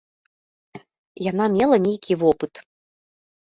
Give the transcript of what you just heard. Яна мела нейкі вопыт.